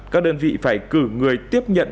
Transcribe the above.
các đơn vị phải cử người tiếp nhận